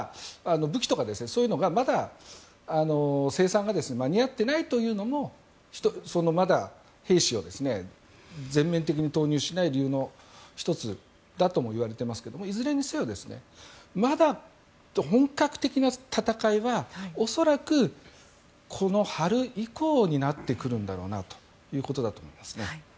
武器とかそういうのがまだ生産が間に合っていないというのもまだ兵士を全面的に投入しない理由の１つだともいわれていますがいずれにせよまだ本格的な戦いは恐らく、この春以降になってくるんだろうなということだと思いますね。